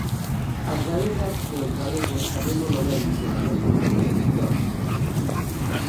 As galegas e os galegos sabémolo ben pola nosa propia historia.